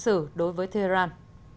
sử đối với tehran